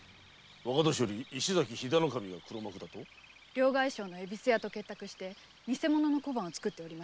両替商の恵比寿屋と結託して偽物の小判を作っておりました。